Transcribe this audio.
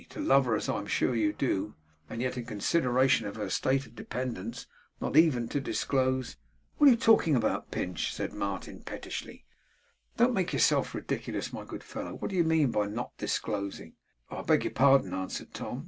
To love her as I am sure you do, and yet in consideration for her state of dependence, not even to disclose ' 'What are you talking about, Pinch?' said Martin pettishly: 'don't make yourself ridiculous, my good fellow! What do you mean by not disclosing?' 'I beg your pardon,' answered Tom.